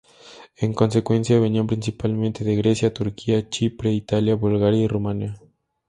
En consecuencia, venían principalmente de Grecia, Turquía, Chipre, Italia, Bulgaria y Rumanía.